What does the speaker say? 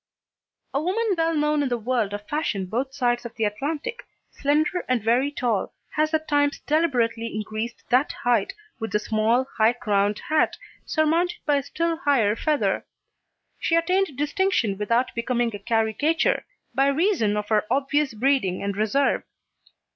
A woman well known in the world of fashion both sides of the Atlantic, slender and very tall, has at times deliberately increased that height with a small high crowned hat, surmounted by a still higher feather. She attained distinction without becoming a caricature, by reason of her obvious breeding and reserve.